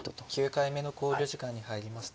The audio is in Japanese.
９回目の考慮時間に入りました。